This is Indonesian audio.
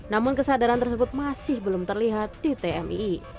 namun kesadaran tersebut masih belum terlihat di tmii